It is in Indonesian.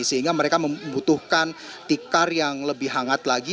sehingga mereka membutuhkan tikar yang lebih hangat lagi